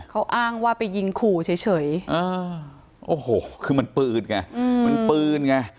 เขาอ้างว่าไปยิงขู่เฉยโอ้โหคือมันปืนไงมันปืนไง